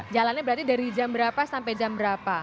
jalannya berarti dari jam berapa sampai jam berapa